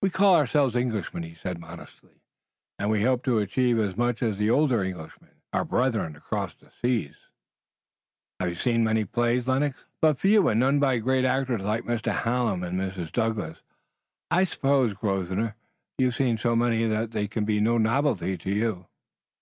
"We call ourselves Englishmen," he said modestly, "and we hope to achieve as much as the older Englishmen, our brethren across the seas." "Have you seen many plays, Lennox?" "But few, and none by great actors like Mr. Hallam and Mrs. Douglas. I suppose, Grosvenor, you've seen so many that they're no novelty to you."